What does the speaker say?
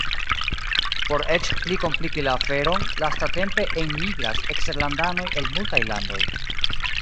Por eĉ pli kompliki la aferon, lastatempe enmigras eksterlandanoj el multaj landoj.